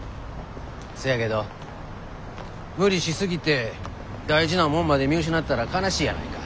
そやけど無理しすぎて大事なもんまで見失ったら悲しいやないか。